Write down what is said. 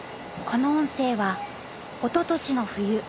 この音声はおととしの冬